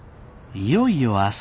いよいよ明日